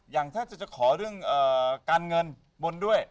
อย่างถ้าจะขอเรื่องการเงินบนด้วย